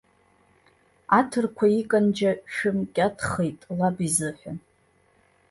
Аҭырқәа иканџьа шәымкьаҭхеит лаб изыҳәан.